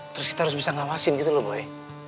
terus kita harus bisa ngawasin gitu loh boy